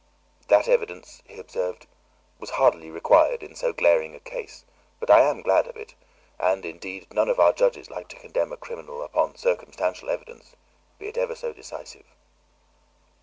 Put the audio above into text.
"That evidence," he observed, "was hardly required in so glaring a case, but I am glad of it, and, indeed, none of our judges like to condemn a criminal upon circumstantial evidence, be it ever so decisive."